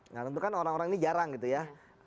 nah tentu kan orang orang ini jarang gitu ya